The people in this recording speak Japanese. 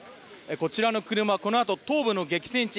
こちらの車、このあと東部の激戦地